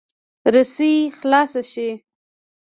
رسۍ خلاصه شي.